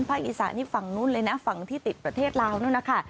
อีสานนี่ฝั่งนู้นเลยนะฝั่งที่ติดประเทศลาวนู่นนะคะ